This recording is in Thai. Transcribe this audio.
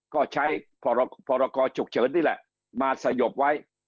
ก็ใช้พรกรฉุกเฉินนี่แหละมาสยบไว้